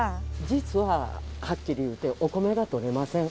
実ははっきり言うてお米が採れません。